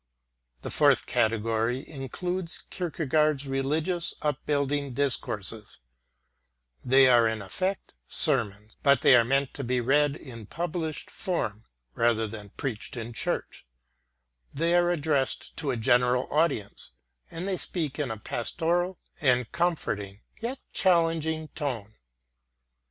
The fourth category includes Kierkegaard's religious/upbuilding discourses; these are in effect sermons, but they are meant to be read in published form rather than preached in church; they are addressed to a general audience and they speak in a pastoral and comforting, yet challenging, tone.